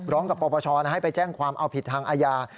ร้องกับปปชให้ไปแจ้งความเอาผิดทางอาญา